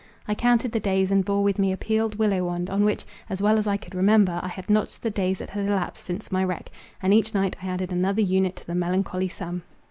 I counted the days, and bore with me a peeled willow wand, on which, as well as I could remember, I had notched the days that had elapsed since my wreck, and each night I added another unit to the melancholy sum.